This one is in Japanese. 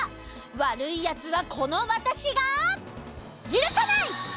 わるいやつはこのわたしがゆるさない！